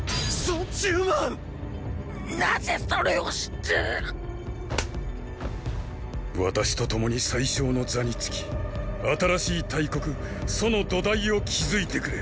三十万⁉なぜそれを知って私と共に宰相の座につき新しい大国楚の土台を築いてくれ燐！！